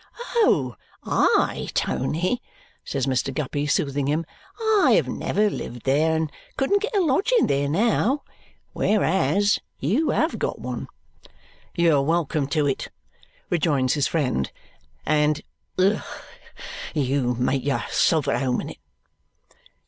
"Oh! I, Tony!" says Mr. Guppy, soothing him. "I have never lived there and couldn't get a lodging there now, whereas you have got one." "You are welcome to it," rejoins his friend, "and ugh! you may make yourself at home in it."